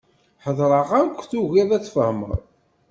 Heddreɣ-ak, tugiḍ ad tfehmeḍ.